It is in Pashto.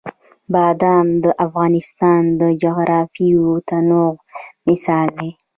بادام د افغانستان د جغرافیوي تنوع مثال دی.